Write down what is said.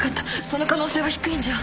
その可能性は低いんじゃ。